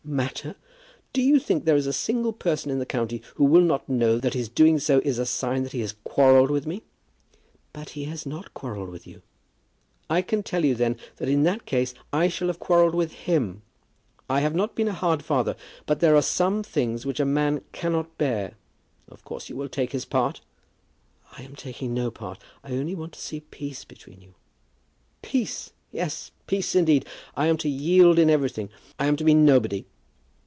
"Matter! Do you think there is a single person in the county who will not know that his doing so is a sign that he has quarrelled with me?" "But he has not quarrelled with you." "I can tell you then, that in that case I shall have quarrelled with him! I have not been a hard father, but there are some things which a man cannot bear. Of course you will take his part." "I am taking no part. I only want to see peace between you." "Peace! yes; peace indeed. I am to yield in everything. I am to be nobody.